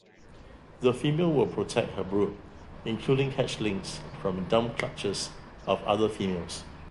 The female will protect her brood, including hatchlings from dump clutches of other females.